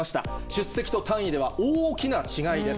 出席と単位では大きな違いです。